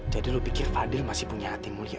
jadi lu pikir fadil masih punya hatimu liat